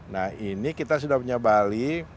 nah ini kita sudah punya bali